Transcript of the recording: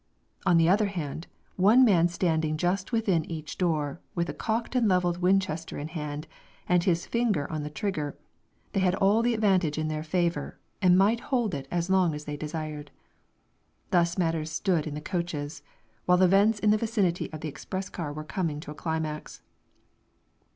On the other hand, one man standing just within each door, with a cocked and leveled Winchester in hand, and his finger on the trigger, they had all the advantage in their favor, and might hold it as long as they desired. Thus matters stood in the coaches, while events in the vicinity of the express car were coming to a climax.